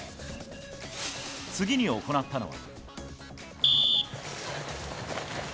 次に行ったのは。